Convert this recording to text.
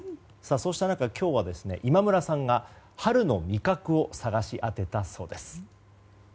そうした中、今日は今村さんが春の味覚を探し当てたそうです。